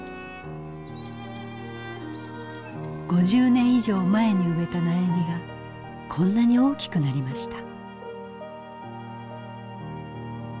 ５０年以上前に植えた苗木がこんなに大きくなりました。